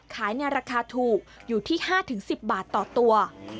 ขายในราคาถูกอยู่ที่๕๑๐บาทต่อตัว